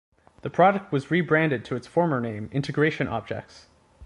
The product was re-branded to its former name "Integration Objects".